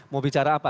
mau bicara apa